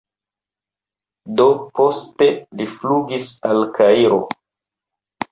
Do poste li flugis al Kairo.